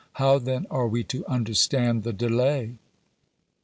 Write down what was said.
How, then, are we to understand the delay?